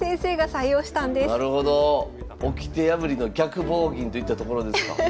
おきて破りの逆棒銀といったところですか。